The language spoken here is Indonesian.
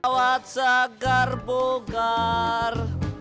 tawat segar bugar